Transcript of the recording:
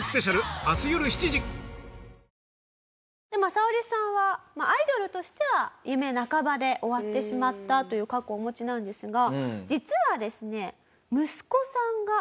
サオリさんはアイドルとしては夢半ばで終わってしまったという過去をお持ちなんですが実はですねえっ？